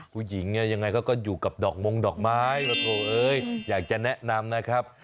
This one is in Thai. ผู้หญิงอย่างไรก็อยู่กับดอกมงดอกไม้อยากจะแนะนำนะครับ